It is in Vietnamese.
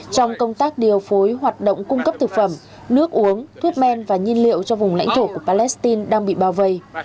trong công tác điều phối hoạt động cung cấp thực phẩm nước uống thuốc men và nhiên liệu cho vùng lãnh thổ của palestine đang bị bao vây